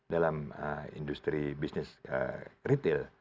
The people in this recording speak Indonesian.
dalam industri bisnis retail